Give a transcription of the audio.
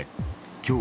今日